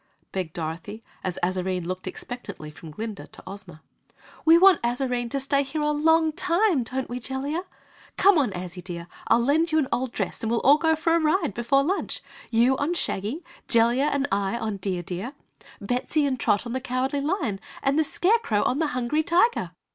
begged Dorothy, as Azarine looked expectantly from Glinda to Ozma. "We want Azarine to stay here a long time, don't we, Jellia? Come on Azzy, dear, I'll lend you an old dress and we'll all go for a ride before lunch! You, on Shaggy Jellia and I on Dear Deer Bettsy and Trot on the Cowardly Lion, and the Scarecrow on the Hungry Tiger!"